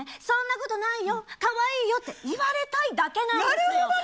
「そんなことないよかわいいよ」って言われたいだけなんですよ。